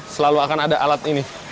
selalu akan ada alat ini